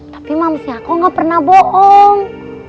tapi mamsnya aku gak pernah bohong